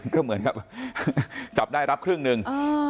ก็เหมือนกับจับได้รับครึ่งหนึ่ง